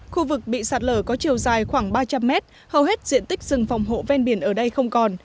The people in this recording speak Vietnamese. khu vực bị sạt lở có chiều dài khoảng ba trăm linh mét hầu hết diện tích rừng phòng hộ ven biển ở đây không còn